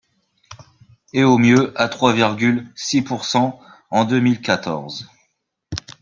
et au mieux à trois virgule six pourcent en deux mille quatorze.